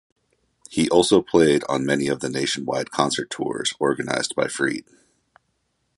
He also played on many of the nationwide concert tours organised by Freed.